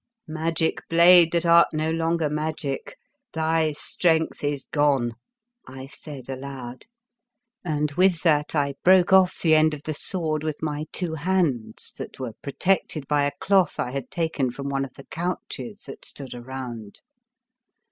" Magic blade that art no longer magic, thy strength is gone! " I said aloud, and with that I broke off the end of the sword with my two hands, that were protected by a cloth I had taken from one of the couches that stood around.